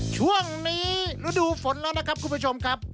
ช่วงนี้ฤดูฝนแล้วนะครับคุณผู้ชมครับ